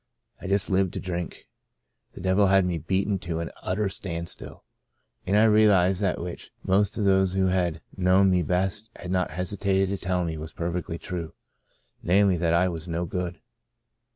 I just lived to drink. The devil had me beaten to an utter standstill, and I realized that which most of those who had known me best had not hesitated to tell me was perfectly true — namely, that I *was no good.'